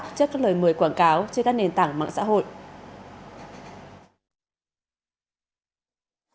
trước các lời mời quảng cáo trên các nền tảng mạng xã hội